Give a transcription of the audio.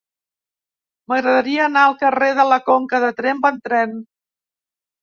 M'agradaria anar al carrer de la Conca de Tremp amb tren.